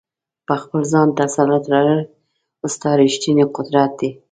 په خپل ځان تسلط لرل، ستا ریښتنی قدرت دی.